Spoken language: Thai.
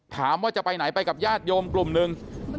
ถามว่าจะไปไหนไปกับญาติโยมกลุ่มหนึ่ง